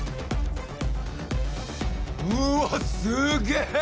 うわすげえ！